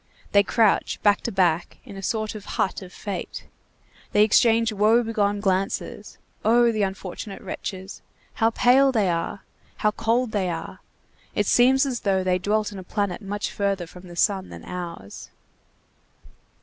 They crouch, back to back, in a sort of hut of fate. They exchange woe begone glances. Oh, the unfortunate wretches! How pale they are! How cold they are! It seems as though they dwelt in a planet much further from the sun than ours.